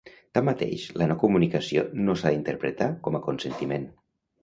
Tanmateix, la no comunicació no s'ha d'interpretar com a consentiment.